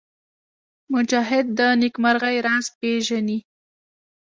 مجاهد د نېکمرغۍ راز پېژني.